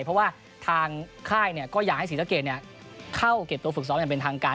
เพราะว่าทางค่ายก็อยากให้ศรีสะเกดเข้าเก็บตัวฝึกซ้อมอย่างเป็นทางการ